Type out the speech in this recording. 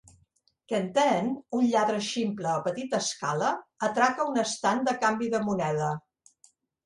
Quentin, un lladre ximple a petita escala, atraca un estand de canvi de moneda.